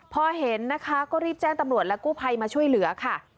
พอเห็นนะคะก็รีบแจ้งตำรวจและกู้ภัยมาช่วยเหลือค่ะ